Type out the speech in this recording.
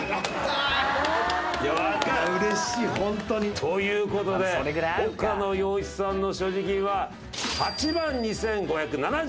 うれしいホントに。ということで岡野陽一さんの所持金は。